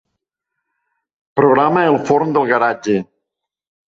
Programa el forn del garatge.